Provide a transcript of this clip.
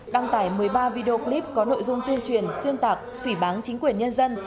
và video clip có nội dung tuyên truyền xuyên tạc phỉ báng chính quyền nhân dân